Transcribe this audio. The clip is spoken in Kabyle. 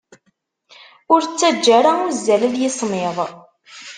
Ur ttaǧǧa ara uzzal ad yismiḍ!